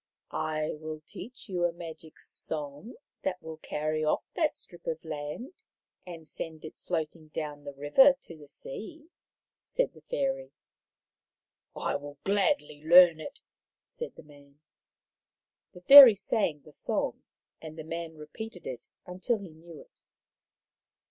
" I will teach you a magic song that will carry off that strip of land and send it floating down the river to the sea," said the fairy. " I will gladly learn it," said the man. The fairy sang the song, and the man repeated it until he knew it.